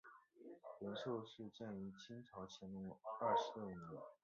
仁寿寺建于清朝乾隆二十六年。